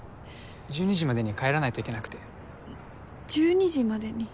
１２時までに帰らないといけなくて１２時までに？